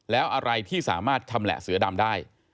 แล้วอะไรที่สามารถชำแหละเสือดำได้